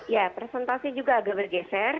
ya presentasi juga agak bergeser